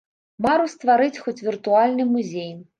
Мару стварыць хоць віртуальны музей.